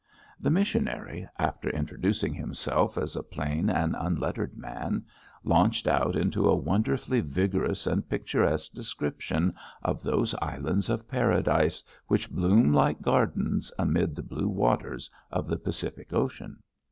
The missionary, after introducing himself as a plain and unlettered man, launched out into a wonderfully vigorous and picturesque description of those Islands of Paradise which bloom like gardens amid the blue waters of the Pacific Ocean.